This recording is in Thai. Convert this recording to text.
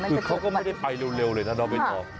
คือเขาก็ไม่ได้ไปเร็วเลยนะน้องใบตอง